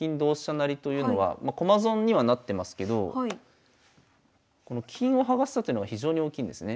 成というのはま駒損にはなってますけどこの金を剥がしたというのが非常に大きいんですね。